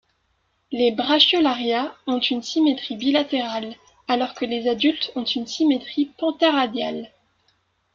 Les brachiolaria ont une symétrie bilatérale alors que les adultes ont une symétrie pentaradiale.